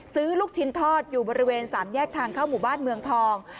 ลูกชิ้นทอดอยู่บริเวณสามแยกทางเข้าหมู่บ้านเมืองทอง